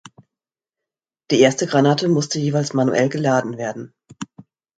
Die erste Granate musste jeweils manuell geladen werden.